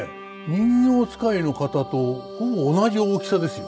人形遣いの方とほぼ同じ大きさですよ。